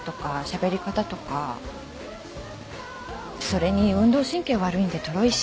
それに運動神経悪いんでとろいし。